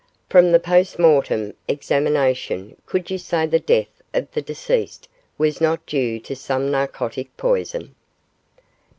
From the post mortem examination could you say the death of the deceased was not due to some narcotic poison?